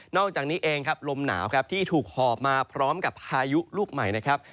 อกจากนี้เองครับลมหนาวครับที่ถูกหอบมาพร้อมกับพายุลูกใหม่นะครับ